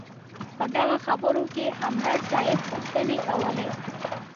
په دغه خبرو کې همدرد صیب پوښتنې کولې.